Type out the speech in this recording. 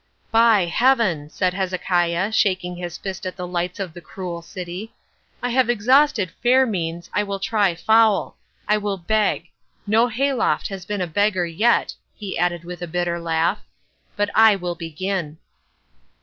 "By Heaven!" said Hezekiah, shaking his fist at the lights of the cruel city, "I have exhausted fair means, I will try foul. I will beg. No Hayloft has been a beggar yet," he added with a bitter laugh, "but I will begin."